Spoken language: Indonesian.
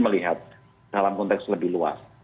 melihat dalam konteks lebih luas